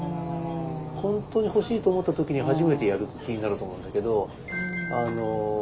本当に欲しいと思った時に初めてやる気になると思うんだけど。